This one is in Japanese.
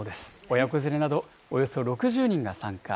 親子連れなどおよそ６０人が参加。